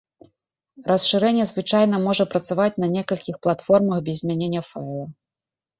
Расшырэнне звычайна можа працаваць на некалькіх платформах без змянення файла.